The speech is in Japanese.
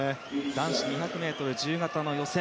男子２００ｍ自由形の予選